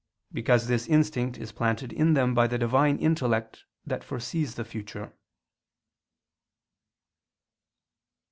Because this instinct is planted in them by the Divine Intellect that foresees the future.